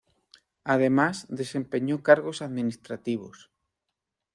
Además desempeñó cargos administrativos.